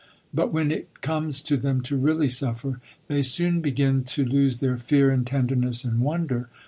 But when it comes to them to really suffer, they soon begin to lose their fear and tenderness and wonder.